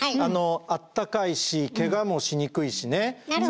あったかいしけがもしにくいしね。なるほど。